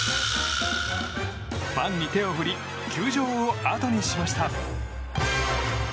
ファンに手を振り球場をあとにしました。